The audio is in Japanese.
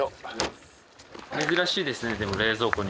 珍しいですねでも冷蔵庫に。